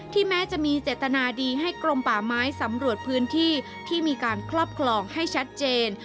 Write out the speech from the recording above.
แม้จะมีเจตนาดีให้กรมป่าไม้สำรวจพื้นที่ที่มีการครอบครองให้ชัดเจน